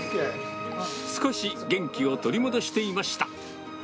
少し元気を取り戻していました。